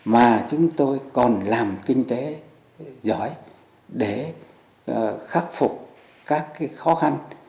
mà chúng tôi còn làm kinh tế giỏi để khắc phục các khó khăn